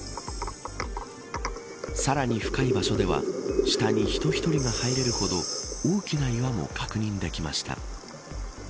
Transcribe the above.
さらに深い場所では下に人１人が入れるほど大きな岩も確認できました。